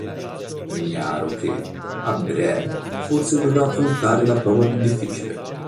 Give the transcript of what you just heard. Ignaro che, a breve, forse dovrà affrontare la prova più difficile.